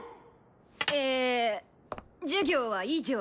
え授業は以上。